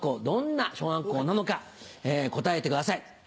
どんな小学校なのか答えてください。